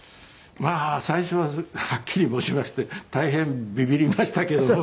まあ最初ははっきり申しまして大変ビビりましたけども。